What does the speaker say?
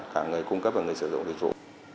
cả người cung cấp và người sử dụng dịch vụ